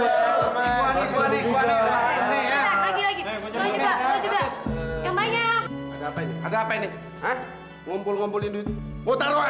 terus lu kan lagi ngumpulin uang buat nolongin rama